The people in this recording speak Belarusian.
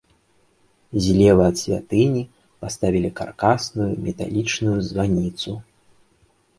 Злева ад святыні паставілі каркасную металічную званіцу.